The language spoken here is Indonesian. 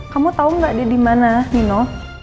kamu tahu gak dia dimana nino